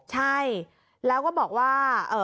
ใช่แล้วก็บอกว่า